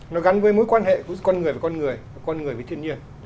nó gắn với mối quan hệ con người với con người con người với thiên nhiên